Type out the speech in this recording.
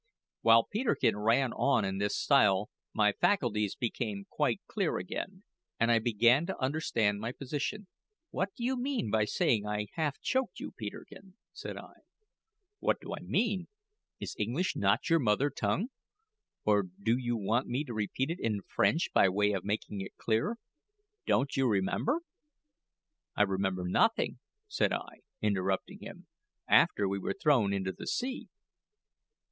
While Peterkin ran on in this style my faculties became quite clear again, and I began to understand my position. "What do you mean by saying I half choked you, Peterkin?" said I. "What do I mean? Is English not your mother tongue? or do you want me to repeat it in French by way of making it clearer? Don't you remember?" "I remember nothing," said I, interrupting him, "after we were thrown into the sea."